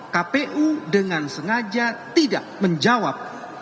kpu dengan sengaja tidak menjawab